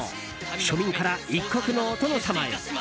庶民から、一国のお殿様へ。